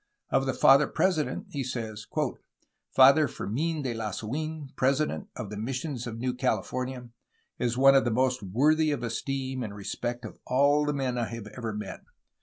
Of the Father President he says: "Father Fermfn de Lasu^n, president of the missions of New California, is one of the most worthy of esteem and respect of all the men I have ever met.